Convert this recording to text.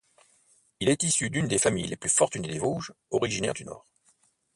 Il est issu d'une des familles les plus fortunées des Vosges, originaire du Nord.